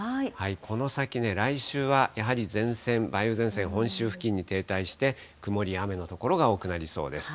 この先、来週はやはり前線、梅雨前線、本州付近に停滞して、曇りや雨の所が多くなりそうです。